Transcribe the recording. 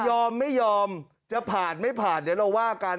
ไม่ยอมไม่ยอมจะผ่านไม่ผ่านเดี๋ยวเราว่ากัน